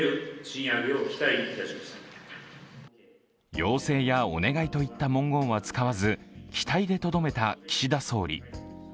「要請」やお「願い」といった文言は使わず「期待」でとどめた岸田総理。